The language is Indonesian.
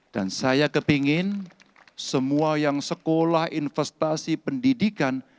dan saya kepingin semua yang sekolah investasi pendidikan